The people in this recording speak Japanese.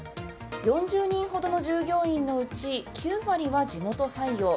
４０人ほどの従業員のうち９割は地元採用。